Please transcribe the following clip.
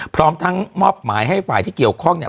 พร้อมทั้งมอบหมายให้ฝ่ายที่เกี่ยวข้องเนี่ย